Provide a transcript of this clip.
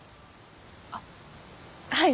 あっはい。